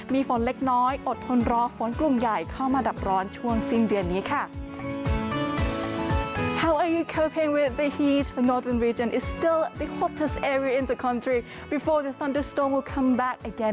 มีฝนเล็กน้อยอดทนรอฝนกลุ่มใหญ่เข้ามาดับร้อนช่วงสิ้นเดือนนี้ค่ะ